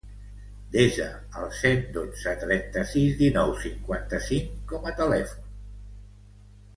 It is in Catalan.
Desa el set, dotze, trenta-sis, dinou, cinquanta-cinc com a telèfon de la Sança Montesinos.